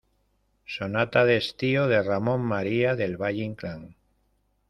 sonata de estío de Ramón María del Valle-Inclán.